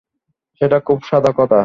সেটা খুব সাদা কথা।